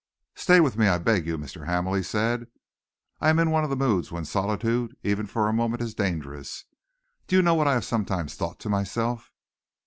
"Stay with me, I beg you, Mr. Hamel," he said. "I am in one of the moods when solitude, even for a moment, is dangerous. Do you know what I have sometimes thought to myself?"